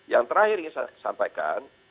yang terakhir ingin saya sampaikan